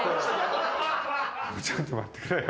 ちょっと待ってくれよ。